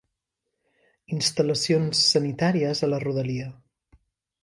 Instal·lacions sanitàries a la rodalia.